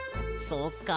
そっか。